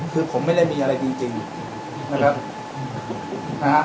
คือผมไม่ได้มีอะไรจริงนะครับนะฮะ